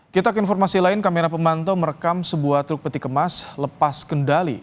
kita ke informasi lain kamera pemantau merekam sebuah truk peti kemas lepas kendali